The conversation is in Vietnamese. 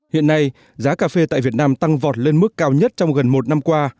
hiện nay giá cà phê tại việt nam tăng vọt lên mức cao nhất trong gần một năm qua